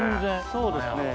そうですね。